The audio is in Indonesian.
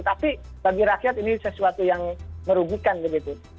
tapi bagi rakyat ini sesuatu yang merugikan begitu